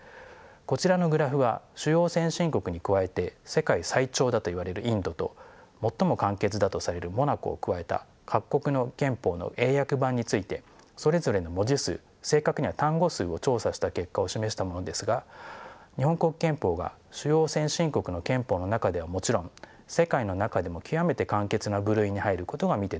こちらのグラフは主要先進国に加えて世界最長だといわれるインドと最も簡潔だとされるモナコを加えた各国の憲法の英訳版についてそれぞれの文字数正確には単語数を調査した結果を示したものですが日本国憲法が主要先進国の憲法の中ではもちろん世界の中でも極めて簡潔な部類に入ることが見て取れます。